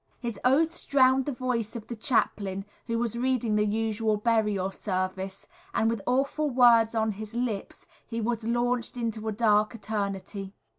His oaths drowned the voice of the chaplain who was reading the usual burial service, and with awful words on his lips he was launched into a dark eternity.